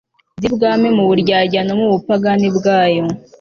byibwami mu buryarya no mu bupagani bwaho